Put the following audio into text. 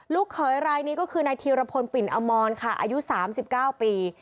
เขยรายนี้ก็คือนายธีรพลปิ่นอมรค่ะอายุ๓๙ปี